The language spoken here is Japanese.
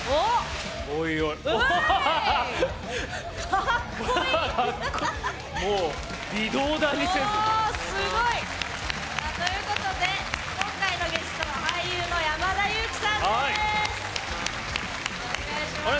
かっこいい！ということで、今回のゲストは俳優の山田裕貴さんです。